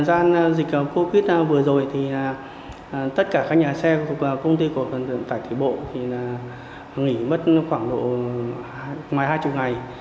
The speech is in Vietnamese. trong thời gian dịch covid vừa rồi thì tất cả các nhà xe của công ty của quận tải thủy bộ thì nghỉ mất khoảng độ ngoài hai mươi ngày